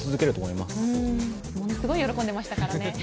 みんなすごい喜んでいましたからね。